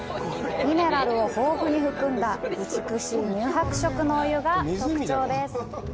ミネラルを豊富に含んだ、美しい乳白色のお湯が特徴です。